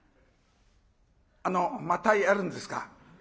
「あのまたやるんですか？